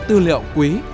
tư liệu quý